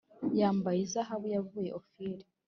yambaye izahabu yavuye Ofiri